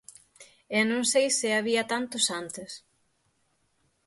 E non sei se había tantos antes.